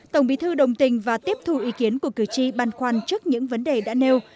tổng bí thư đồng tình và tiếp thu ý kiến của cử tri băn khoăn trước những vấn đề đã nêu